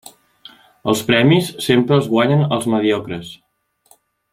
Els premis sempre els guanyen els mediocres.